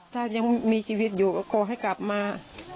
ถ้ายังมีชีวิตอยู่ก็ขอให้กลับมา